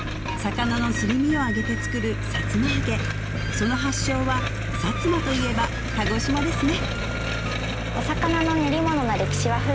その発祥は薩摩といえば鹿児島ですね